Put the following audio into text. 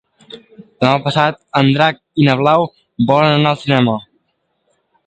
Demà passat en Drac i na Blau volen anar al cinema.